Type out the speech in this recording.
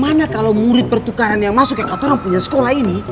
karena kalau murid pertukaran yang masuk ke katorang punya sekolah ini